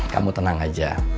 kamu tenang aja